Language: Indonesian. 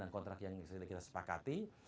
dan kontrak yang kita sepakati